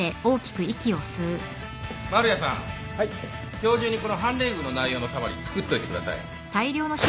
今日中にこの判例群の内容のサマリー作っといてください。